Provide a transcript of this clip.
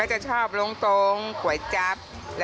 โรงโต้งคืออะไร